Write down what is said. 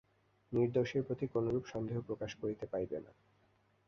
নির্দোষীর প্রতি কোনোরূপ সন্দেহ প্রকাশ করিতে পাইবে না।